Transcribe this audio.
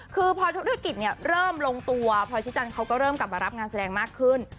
คือพอธุรกิจเนี่ยเริ่มลงตัวพลอยชิจันเขาก็เริ่มกลับมารับงานแสดงมากขึ้น